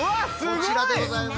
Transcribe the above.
こちらでございます。